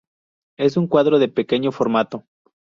Es un cuadro de pequeño formato.